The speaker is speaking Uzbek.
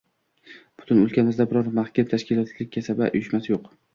Butun o‘lkamizda biror mahkam tashkilotlik kasaba uyushmasi yo‘q